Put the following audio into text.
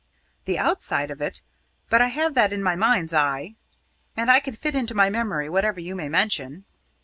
"The outside of it; but I have that in my mind's eye, and I can fit into my memory whatever you may mention."